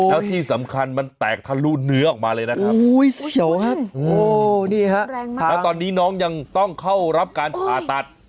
แล้วที่สำคัญมันแตกทะลุเนื้อออกมาเลยนะครับแรงมากแล้วตอนนี้น้องยังต้องเข้ารับการผ่าตัด